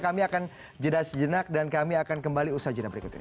kami akan jeda sejenak dan kami akan kembali usaha jenah berikut ini